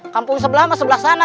kampung sebelah sama sebelah sana